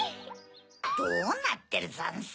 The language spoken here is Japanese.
どうなってるざんす？